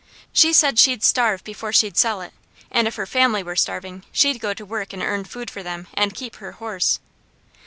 She said she'd starve before she'd sell it, and if her family were starving, she'd go to work and earn food for them, and keep her horse.